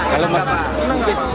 kalau mas enam